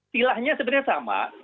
silahnya sebenarnya sama